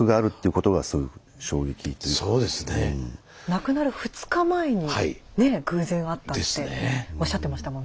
亡くなる２日前にねぇ偶然会ったっておっしゃってましたもんね。